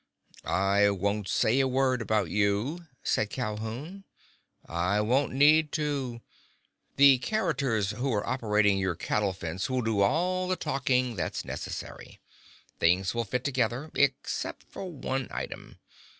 "I won't say a word about you," said Calhoun. "I won't need to. The characters who're operating your cattle fence will do all the talking that's necessary. Things all fit together,—except for one item.